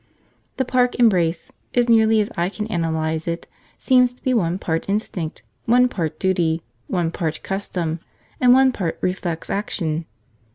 The park embrace, as nearly as I can analyse it, seems to be one part instinct, one part duty, one part custom, and one part reflex action.